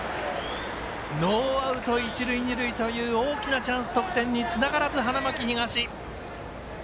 ノーアウト、一塁、二塁という大きなチャンス得点につながらず、花巻東。